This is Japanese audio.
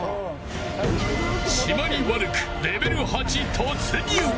締まり悪く、レベル８突入。